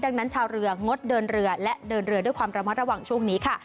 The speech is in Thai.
ดังนั้นชาวเรืองดเดินเรือและเดินเรือด้วยความระมัดระวังช่วงนี้ค่ะ